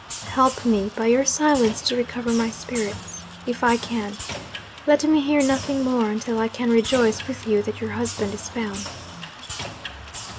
Help me by your silence to recover my spirits, if I can. Let me hear nothing more, until I can rejoice with you that your husband is found.'